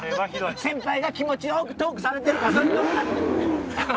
先輩が気持ちよくトークされてるからそれに。